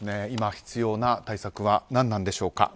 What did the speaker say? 今、必要な対策は何なんでしょうか。